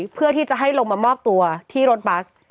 เพื่อที่จะให้ลงมามอบตัวที่รถบัส